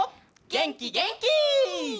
げんきげんき！